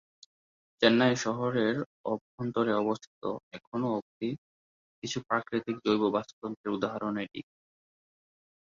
চেন্নাই শহরের অভ্যন্তরে অবস্থিত এখনো অবধি কিছু প্রাকৃতিক জৈব বাস্তুতন্ত্রের উদাহরণ এটি।